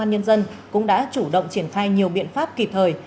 các cơ sở y tế công an nhân dân cũng đã chủ động triển khai nhiều biện pháp kịp thời